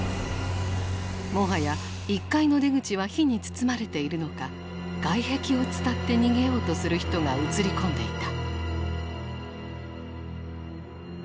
もはや１階の出口は火に包まれているのか外壁を伝って逃げようとする人が映り込んでいた。